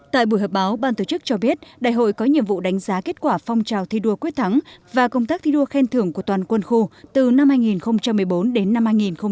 tại buổi họp báo ban tổ chức cho biết đại hội có nhiệm vụ đánh giá kết quả phong trào thi đua quyết thắng và công tác thi đua khen thưởng của toàn quân khu từ năm hai nghìn một mươi bốn đến năm hai nghìn một mươi tám